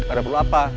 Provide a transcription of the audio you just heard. ada perlu apa